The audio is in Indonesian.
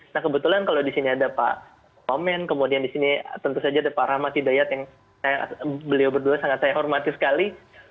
nah kebetulan kalau di sini ada pak wamen kemudian di sini tentu saja ada pak rahmat hidayat yang beliau berdua sangat saya hormati sekali